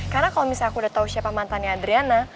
karena kalau misalnya aku udah tahu siapa mantannya adriana